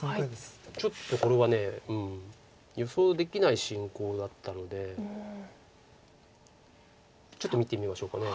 ちょっとこれは予想できない進行だったのでちょっと見てみましょうか。